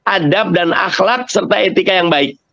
adab dan akhlak serta etika yang baik